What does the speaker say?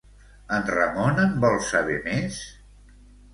En Ramon en vol saber més?